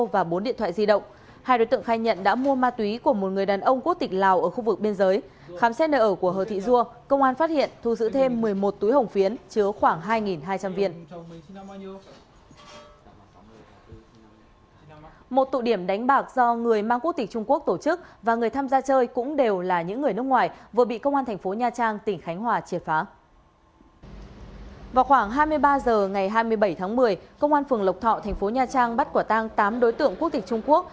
vào khoảng hai mươi ba h ngày hai mươi bảy tháng một mươi công an phường lộc thọ thành phố nha trang bắt quả tang tám đối tượng quốc tịch trung quốc